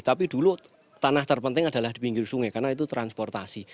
tapi dulu tanah terpenting adalah di pinggir sungai karena itu transportasi